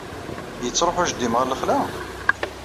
Yettṛuḥu jeddi-m ɣer lexla?